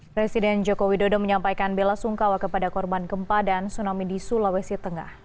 presiden joko widodo menyampaikan bela sungkawa kepada korban gempa dan tsunami di sulawesi tengah